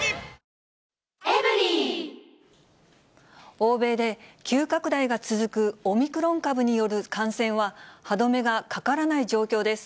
欧米で急拡大が続くオミクロン株による感染は、歯止めがかからない状況です。